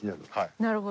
なるほど。